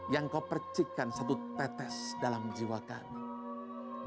yang kau percikan satu tetes dalam jiwa kami